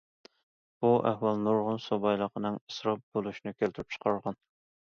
بۇ ئەھۋال نۇرغۇن سۇ بايلىقىنىڭ ئىسراپ بولۇشىنى كەلتۈرۈپ چىقارغان.